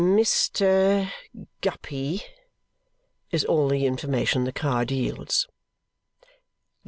"Mr. Guppy" is all the information the card yields.